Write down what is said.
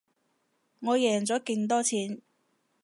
我贏咗勁多錢